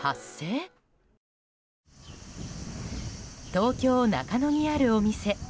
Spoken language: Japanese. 東京・中野にあるお店。